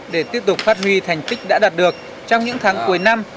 để tiếp tục phát huy thành tích đã đạt được trong những tháng cuối năm